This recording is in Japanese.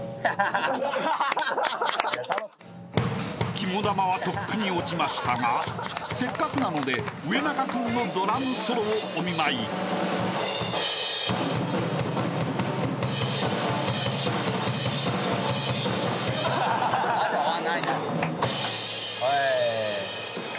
・［キモ玉はとっくに落ちましたがせっかくなので上中君のドラムソロをお見舞い］わ！